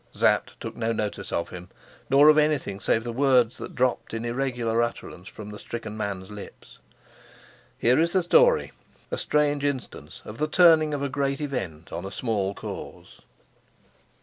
Sapt took no notice of him, nor of anything save the words that dropped in irregular utterance from the stricken man's lips. Here is the story, a strange instance of the turning of a great event on a small cause.